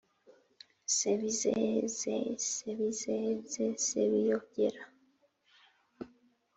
“Sebizeze Sebizeze, Sebiyogera